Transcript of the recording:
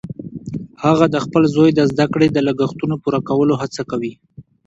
هغه د خپل زوی د زده کړې د لګښتونو پوره کولو هڅه کوي